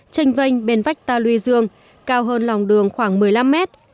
tranh vanh bên vách tà luy dương cao hơn lòng đường khoảng một mươi năm mét